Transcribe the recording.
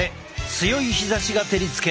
強い日ざしが照りつける。